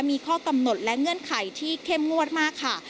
มีข้อกำหนดและเงื่อนไขที่เข้มงวดมากค่ะ